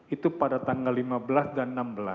itu pada tanggal lima belas dan enam belas